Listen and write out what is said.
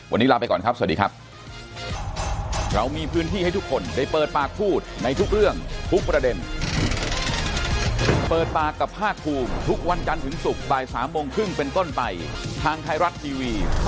วันนี้ลาไปก่อนครับสวัสดีครับ